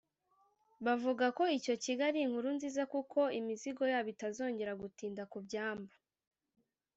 bavuga ko icyo kigo ari inkuru nziza kuko imizigo yabo itazongera gutinda ku byambu